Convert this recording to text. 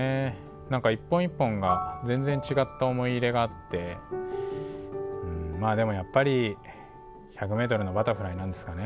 何か一本一本が全然違った思い入れがあってうんまあでもやっぱり１００ｍのバタフライなんですかね。